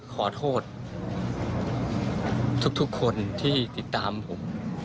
ขอโทษทุกคนที่ติดตามผม